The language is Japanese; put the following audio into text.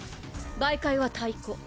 媒介は太鼓。